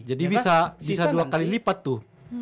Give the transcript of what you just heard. jadi bisa dua kali lipat tuh